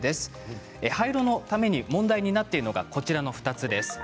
廃炉のために問題なっているのがこちらの２つです。